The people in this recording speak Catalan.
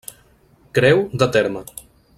Creu de terme.